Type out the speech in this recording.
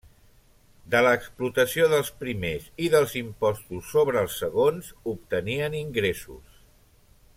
De l'explotació dels primers i dels impostos sobre els segons obtenien ingressos.